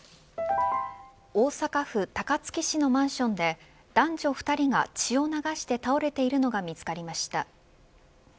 大阪府高槻市のマンションで男女２人が血を流して倒れているのが見つかりました。